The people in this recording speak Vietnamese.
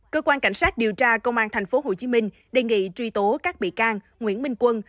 cơ quan cảnh sát điều tra công an tp hcm đề nghị truy tố các bị can nguyễn minh quân